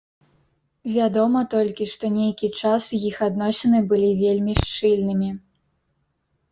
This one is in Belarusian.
Вядома толькі, што нейкі час іх адносіны былі вельмі шчыльнымі.